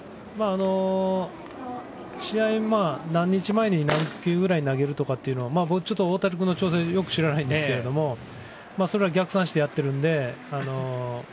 試合の何日前に何球投げるというのはちょっと大谷君の調整よく知らないんですけどそれは逆算してやってるので。